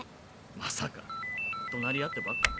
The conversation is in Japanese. まさか怒鳴り合ってばっか。